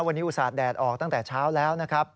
วันนี้อุตส่าหแดดออกตั้งแต่เช้าแล้วนะครับ